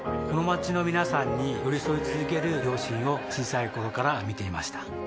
この街の皆さんに寄り添い続ける両親を小さい頃から見ていました